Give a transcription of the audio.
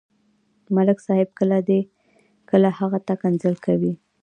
ملک صاحب کله دې، کله هغه ته کنځل کوي.